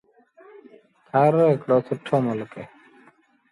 ٿر هڪڙو سُٺو ملڪ اهي